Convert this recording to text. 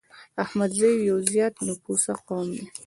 احمدزي يو زيات نفوسه قوم دی